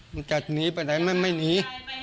มันจะหนีไปไหนมันไม่หนี